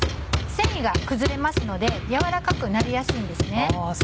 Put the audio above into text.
繊維が崩れますので軟らかくなりやすいんですね。